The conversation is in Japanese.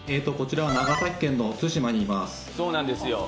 こちらは長崎県の対馬にいます。